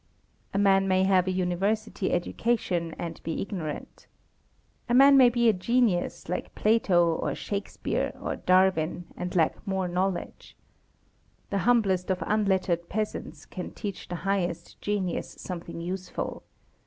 A man may have a university education and be ignorant. A man may be a genius, like Plato, or Shakespeare, or Darwin, and lack more knowledge. The humblest of unlettered peasants can teach the highest genius something useful.